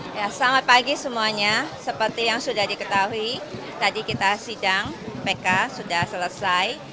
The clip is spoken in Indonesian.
selamat pagi semuanya seperti yang sudah diketahui tadi kita sidang pk sudah selesai